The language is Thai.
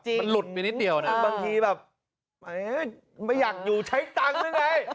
มันหลุดไปนิดเดียวนะบางทีแบบไม่อยากอยู่ใช้ตังค์หรือไง